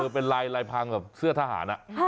เป็นลายพรางเสื้อทหาร